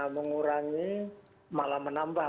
mengurangi malah menambah